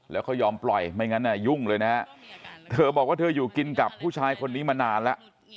แล้วเขายอมปล่อยไม่งั้นยุ่งเลยนะฮะเธอบอกว่าเธออยู่กินกับผู้ชายคนนี้มานานแล้ว